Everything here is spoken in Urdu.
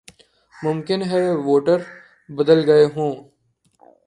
ممکن ہے کہ ووٹر بدل گئے ہوں۔